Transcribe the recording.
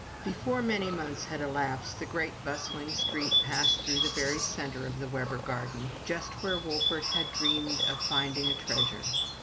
Before many months had elapsed, a great bustling street 150 FROM THE TOWER WINDOW passed through the very center of the Webber garden, just where Wolfert had dreamed of finding a treasure.